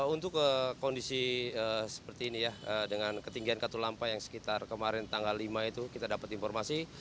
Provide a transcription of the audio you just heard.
untuk kondisi seperti ini ya dengan ketinggian katulampa yang sekitar kemarin tanggal lima itu kita dapat informasi